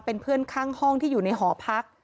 เป็นเพื่อนข้างห้องที่อยู่ในหอพัก